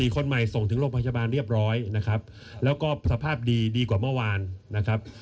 คนใหม่ส่งถึงโรงพยาบาลเรียบร้อยนะครับแล้วก็สภาพดีดีกว่าเมื่อวานนะครับ